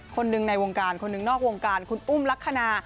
คนหนึ่งในวงการคนหนึ่งนอกวงการคุณอุ้มลักษณะ